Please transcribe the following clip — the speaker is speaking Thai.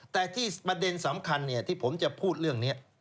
แต่ที่ประเด็นสำคัญที่ผมจะพูดเรื่องนี้